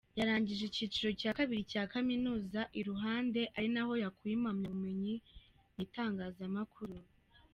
Yarangije icyiciro cya kabiri cya Kaminuza i Ruhande, ari naho yakuye impamyabumenyi mu itangazamakuru.